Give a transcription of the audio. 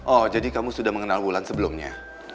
oh jadi kamu sudah mengenal bulan sebelumnya